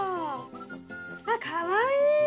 あっかわいい！